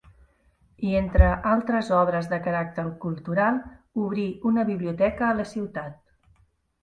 I entre altres obres de caràcter cultural, obrí una biblioteca a la ciutat.